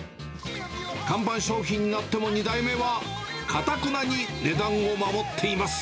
看板商品になっても２代目は頑なに値段を守っています。